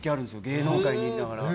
芸能界にいながら。